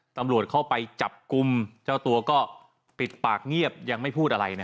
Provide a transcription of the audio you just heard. ตำรวจเข้าไปจับกลุ่มเจ้าตัวก็ปิดปากเงียบยังไม่พูดอะไรนะ